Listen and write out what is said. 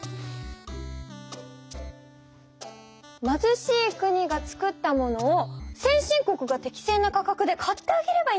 まずしい国がつくったものを先進国が適正な価格で買ってあげればいいんじゃない？